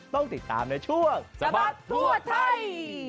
ต้องติดตามในช่วงสบัดทั่วไทย